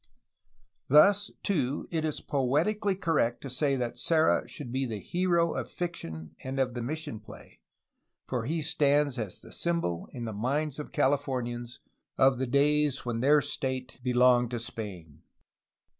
Thus, too, is it poetically correct that Serra should be the hero of fiction and of the mission play, for he stands as the symbol, in the minds of Californians, of the days when their state belonged to Spain.